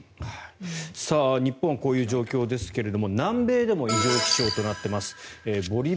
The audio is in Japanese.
日本はこういう状況ですが南米でも異常気象となっています。